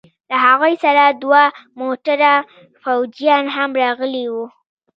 له هغوى سره دوه موټره فوجيان هم راغلي وو.